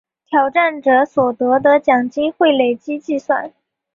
挑战者所得的奖金会累积计算。